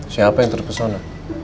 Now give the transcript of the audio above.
siapa yang terpesona